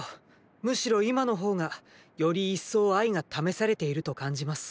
むしろ今の方がより一層愛が試されていると感じます！